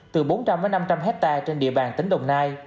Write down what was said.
từ bốn trăm linh năm trăm linh hectare trên địa bàn tỉnh đồng nai